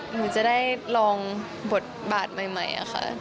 หนูจะได้ลองบทบาทใหม่ค่ะ